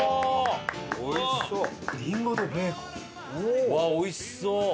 うわおいしそう！